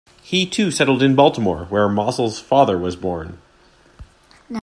He too settled in Baltimore, where Mossell's father was born.